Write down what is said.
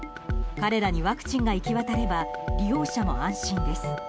彼らにワクチンが行き渡れば利用者も安心です。